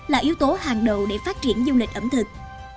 là yếu tố hàng đầu để phát triển du lịch ẩm thực